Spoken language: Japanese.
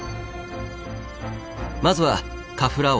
まずはカフラー王